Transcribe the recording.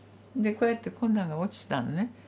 でこうやって粉が落ちたのね。